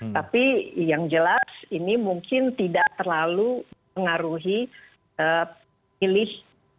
tapi yang jelas ini mungkin tidak terlalu mengaruhi pilih